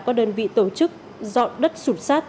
các đơn vị tổ chức dọn đất sụp sát